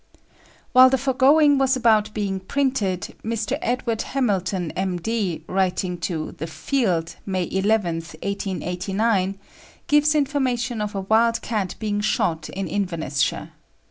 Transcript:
While the foregoing was about being printed, Mr. Edward Hamilton, M.D., writing to The Field, May 11th, 1889, gives information of a wild cat being shot in Inverness shire.